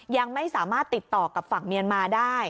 ยังไม่สามารถติดต่อกับฝั่งเมียนมาได้